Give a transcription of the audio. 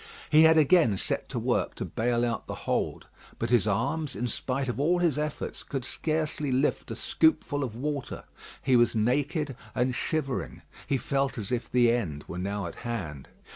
He had again set to work to bale out the hold, but his arms, in spite of all his efforts, could scarcely lift a scoopfull of water. He was naked and shivering. He felt as if the end were now at hand.